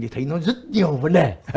thì thấy nó rất nhiều vấn đề